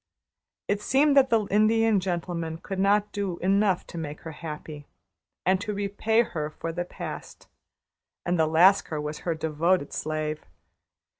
It seemed that the Indian Gentleman could not do enough to make her happy, and to repay her for the past; and the Lascar was her devoted slave.